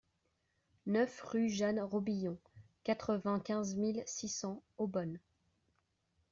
neuf rue Jeanne Robillon, quatre-vingt-quinze mille six cents Eaubonne